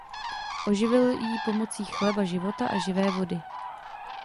Oživil jí pomocí chleba života a živé vody.